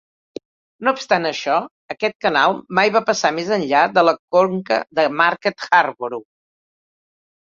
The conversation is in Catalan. No obstant això, aquest canal mai va passar més enllà de la conca de Market Harborough.